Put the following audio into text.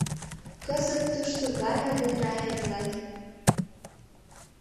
Кызыт тушто Галя ден Рая илат.